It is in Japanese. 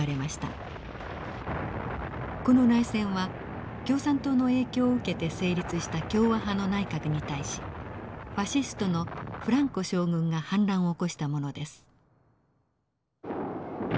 この内戦は共産党の影響を受けて成立した共和派の内閣に対しファシストのフランコ将軍が反乱を起こしたものです。